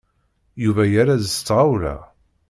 Yuba yerra-d s tɣawla.